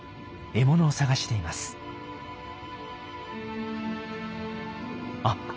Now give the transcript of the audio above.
獲物を探しています。